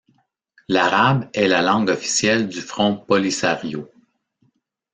L'arabe est la langue officielle du Front Polisario.